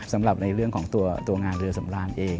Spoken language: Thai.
สำหรับในเรื่องของตัวงานเรือสำราญเอง